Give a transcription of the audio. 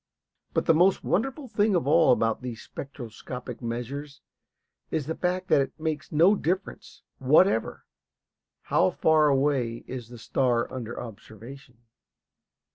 But the most wonderful thing of all about these spectroscopic measures is the fact that it makes no difference whatever how far away is the star under observation.